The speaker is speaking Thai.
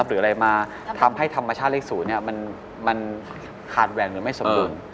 หรืออะไรมาทำให้ธรรมชาติเลข๐มันขาดแหว่งหรือไม่สมบูรณ์